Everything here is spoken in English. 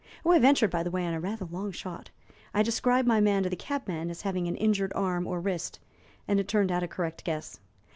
I ventured, by the way, on a rather long shot. I described my man to the cabman as having an injured arm or wrist and it turned out a correct guess.